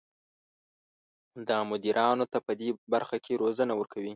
دا مدیرانو ته پدې برخه کې روزنه ورکوي.